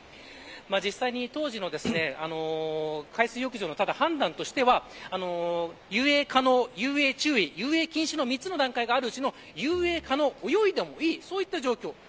実際に当時の海水浴場の判断としては遊泳可能、遊泳注意、遊泳禁止の３つの段階があるうち遊泳可能泳いでもいいという状況。